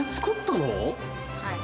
はい。